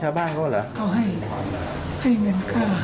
ให้เงินค่า